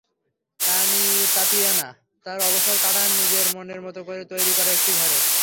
Tatiana তাঁর অবসর কাটান নিজের মনের মতো করে তৈরি করা একটি ঘরে।